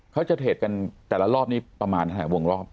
เขาจะเทรดกันแต่ละรอบนี้ประมาณหลายวงรอบ